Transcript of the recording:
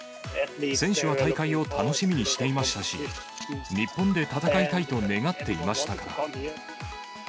選手は大会を楽しみにしていましたし、日本で戦いたいと願っていましたから。